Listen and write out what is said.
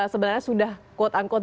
sebenarnya sudah quote unquote